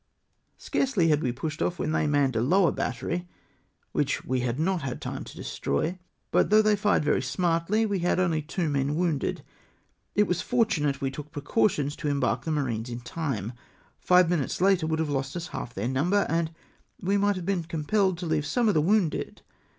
Scarcely had we pushed off, when they manned a lower battery, wliich we had not had time to destroy — but though they fired very smartly, we had only two men wounded. It was fortunate we took precautions to reembark the marines in time — five minutes later would have lost us half thek nimiber, and we might have been compelled to leave some of the wounded.